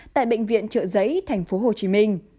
tại bệnh viện trợ giấy tp hcm